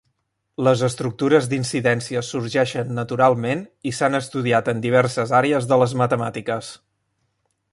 Les estructures d'incidència sorgeixen naturalment i s'han estudiat en diverses àrees de les matemàtiques.